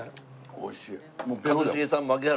おいしい。